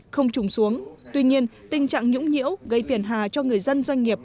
không trùng xuống tuy nhiên tình trạng nhũng nhiễu gây phiền hà cho người dân doanh nghiệp